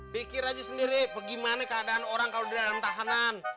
pikir aja sendiri bagaimana keadaan orang kalau di dalam tahanan